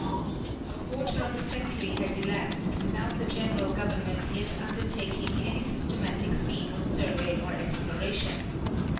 A quarter of a century has elapsed without the general govern ment yet undertaking any systematic scheme of survey or ex ploration.